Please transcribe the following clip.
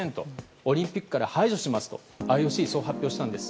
オリンピックから排除しますとＩＯＣ、そう発表したんです。